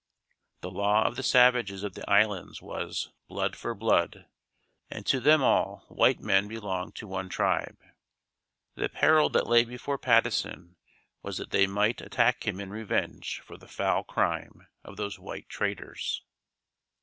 The law of the savages of the islands was "Blood for blood." And to them all white men belonged to one tribe. The peril that lay before Patteson was that they might attack him in revenge for the foul crime of those white traders.